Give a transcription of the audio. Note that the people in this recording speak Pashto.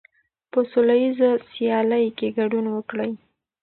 په سوله ییزه سیالۍ کې ګډون وکړئ.